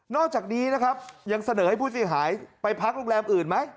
อกจากนี้นะครับยังเสนอให้ผู้เสียหายไปพักโรงแรมอื่นไหม